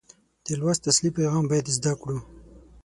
د لوست اصلي پیغام باید زده کړو.